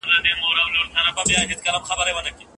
څوک د څېړنیزي مقالې ارزونه کوي؟